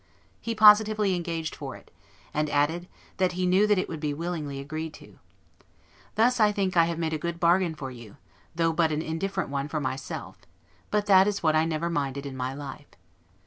He positively engaged for it: and added, that he knew that it would be willingly agreed to. Thus I think I have made a good bargain for you, though but an indifferent one for myself: but that is what I never minded in my life.